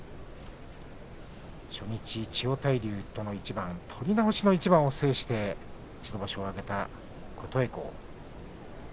初日、千代大龍との一番取り直しの一番を制して白星を挙げた琴恵光。